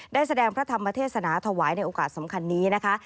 ได้แสดงพระธรรมเทศนาถวายในโอกาสสำคัญนี้นะคะ